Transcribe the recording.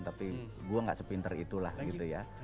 tapi gue gak sepinter itulah gitu ya